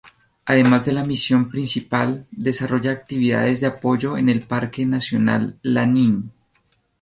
Además de la misión principal, desarrolla actividades de apoyo al parque nacional Lanín.